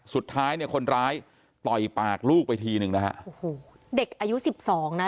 สุดท้ายเนี่ยคนร้ายต่อยปากลูกไปทีหนึ่งนะฮะโอ้โหเด็กอายุสิบสองนะ